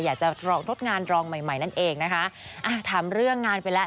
อยากจะทดงานรองใหม่ใหม่นั่นเองนะคะอ่าถามเรื่องงานไปแล้ว